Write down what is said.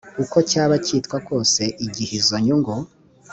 uko cyaba cyitwa kose igihe izo nyungu